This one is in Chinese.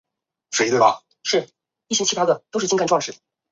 此事实在是前车可鉴啊。